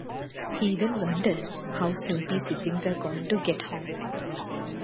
He then wonders how Snoopy's siblings are going to get home.